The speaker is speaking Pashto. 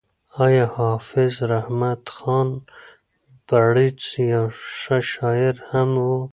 ایا حافظ رحمت خان بړیڅ یو ښه شاعر هم و؟